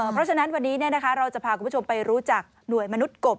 เพราะฉะนั้นวันนี้เราจะพาคุณผู้ชมไปรู้จักหน่วยมนุษย์กบ